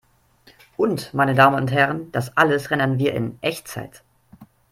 Und, meine Damen und Herren, das alles rendern wir in Echtzeit